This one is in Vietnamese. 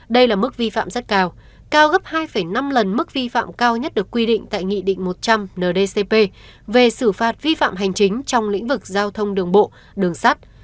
đây là mức vi phạm rất cao cao gấp hai năm lần mức vi phạm cao nhất được quy định tại nghị định một trăm linh ndcp về xử phạt vi phạm hành chính trong lĩnh vực giao thông đường bộ đường sắt